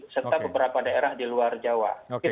serta beberapa daerah di luar jawa